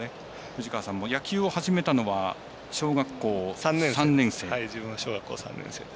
藤川さんも野球を始めたのは小学校３年生。